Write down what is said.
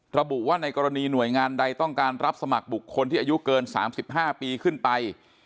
ระบุว่าในกรณีหน่วยงานใดต้องการรับสมัครบุคคลที่อายุเกิน๓๕ปีขึ้นไป